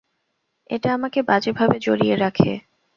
এটা আমাকে বাজে ভাবে জড়িয়ে রাখে।